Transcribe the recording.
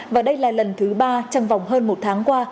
và đây là lần thứ ba trong vòng hơn một tháng qua